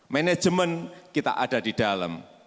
manajemen kita ada di dalam